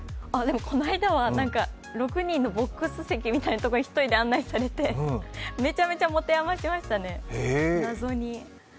この間は６人のボックス席みたいなところに１人で案内されてめちゃめちゃもてあましましたね、謎に。